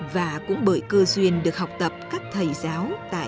và cũng bởi cơ duyên được học tập các thầy giáo tại trường đại học hà nội